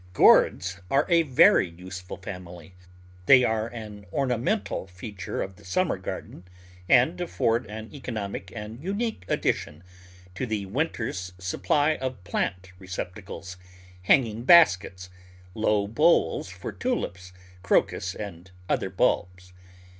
Gourds are a very useful family. They are an ornamental feature of the summer garden, and afford an economic and unique addition to the winter's sup ply of plant receptacles, hanging baskets, low bowls for Tulips, Crocus, and other bulbs.